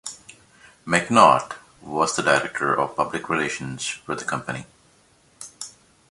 McNaught was the director of public relations for the company.